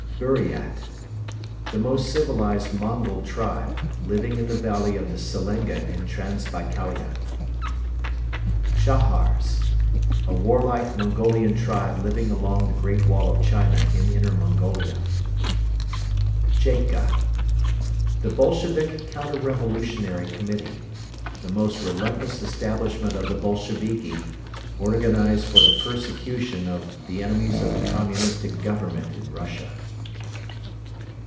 Buriat. The most civilized Mongol tribe, living in the valley of the Selenga in Transbaikalia. Chahars. A warlike Mongolian tribe living along the Great Wall of China in Inner Mongolia. Chaidje. A high Lamaite priest, but not an incarnate god. Cheka. The Bolshevik Counter Revolutionary Committee, the most relentless establishment of the Bolsheviki, organized for the persecution of the enemies of the Communistic government in Russia.